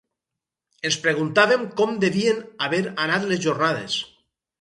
Ens preguntàvem com devien haver anat les jornades.